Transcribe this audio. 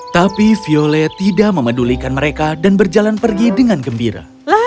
tapi violet tidak memedulikan mereka dan berjalan pergi dengan gembira